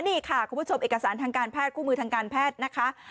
นี่ค่ะคุณผู้ชมเอกสารทางการแพทย์คู่มือทางการแพทย์นะคะ